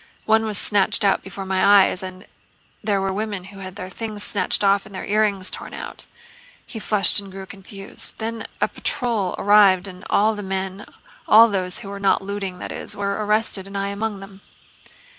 One was snatched out before my eyes... and there were women who had their things snatched off and their earrings torn out..." he flushed and grew confused. "Then a patrol arrived and all the men—all those who were not looting, that is—were arrested, and I among them."